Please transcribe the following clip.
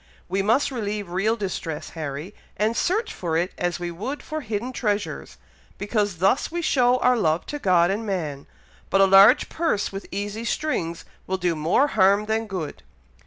We must relieve real distress, Harry, and search for it as we would for hidden treasures, because thus we show our love to God and man; but a large purse with easy strings will do more harm than good."